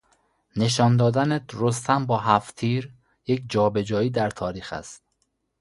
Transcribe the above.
نشان دادن رستم با هفت تیر یک جابجایی در تاریخ است.